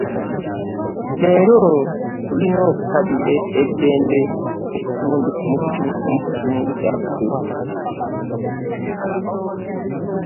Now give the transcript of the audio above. Leero tulina okusabira eddembe mu kitundu kyaffe.